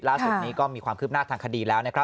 ล่าสุดนี้ก็มีความคืบหน้าทางคดีแล้วนะครับ